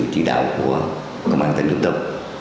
chỉ đạo của công an tên dân tộc